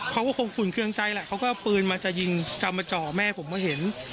เขาก็คงอุ่นเครื่องใจแหละเขาก็เอาปืนมาจะยิงกลับมาเจาะแม่ผมก็เห็น